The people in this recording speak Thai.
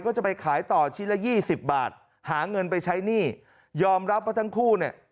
ก็จะไปขายต่อชิ้นละยี่สิบบาทหาเงินไปใช้หนี้ยอมรับว่าทั้งคู่เนี่ย